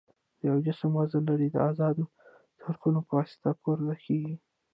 د یو جسم وزن لري د ازادو څرخونو په واسطه پورته کیږي.